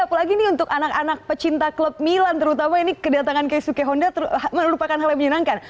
apalagi ini untuk anak anak pecinta klub milan terutama ini kedatangan keisuke honda merupakan hal yang menyenangkan